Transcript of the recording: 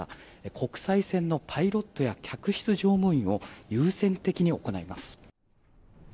国際線のパイロットや客室乗務員を優先的に行います。